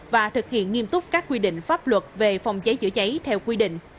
và thực hiện nghiêm túc các quy định pháp luật về phòng cháy chữa cháy theo quy định